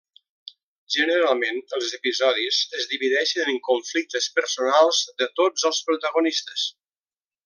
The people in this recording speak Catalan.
Generalment els episodis es divideixen en conflictes personals de tots els protagonistes.